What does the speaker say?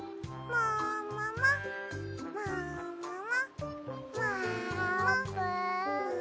もももももも。